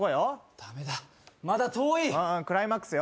ダメだまだ遠いクライマックスよ